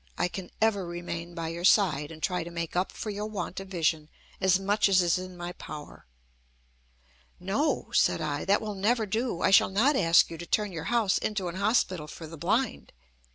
I can ever remain by your side, and try to make up for your want of vision as much as is in my power." "No," said I. "That will never do. I shall not ask you to turn your house into an hospital for the blind.